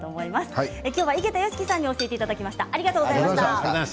今日は井桁良樹さんに教えていただきました。